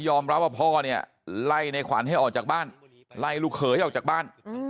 รับว่าพ่อเนี่ยไล่ในขวัญให้ออกจากบ้านไล่ลูกเขยออกจากบ้าน